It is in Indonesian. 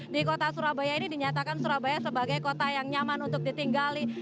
di kota surabaya ini dinyatakan surabaya sebagai kota yang nyaman untuk ditinggali